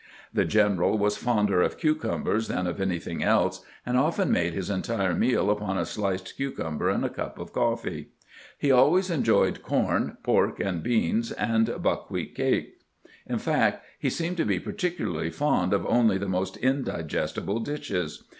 The general was fonder of cucumbers than of anything else, and often made his entire meal upon a sliced cucumber and a cup of coffee. He always enjoyed corn, pork and beans, an^ buckwheat cakes. In fact, he seemed to be particularly fond of only the most indigestible dishes.